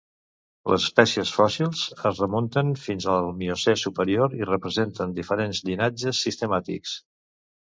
Les espècies fòssils es remunten fins al Miocè superior i representen diferents llinatges sistemàtics.